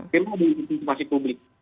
mereka menggunakan insipasi publik